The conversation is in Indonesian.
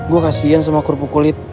gue kasian sama kerupuk kulit